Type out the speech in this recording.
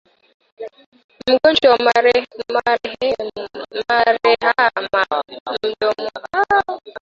Magonjwa ya majeraha mdomoni